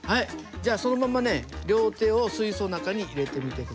じゃあそのままね両手を水槽の中に入れてみて下さい。